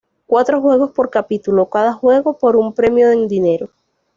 Cuatro juegos por capítulo, cada juego por un premio en dinero.